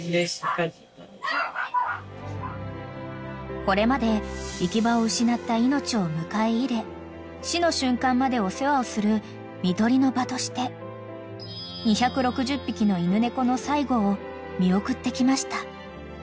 ［これまで行き場を失った命を迎え入れ死の瞬間までお世話をする看取りの場として２６０匹の犬猫の最期を見送ってきました］